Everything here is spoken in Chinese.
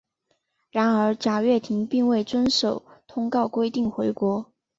然而贾跃亭并未遵守通告规定回国。